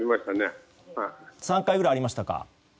３回ぐらいありましたか。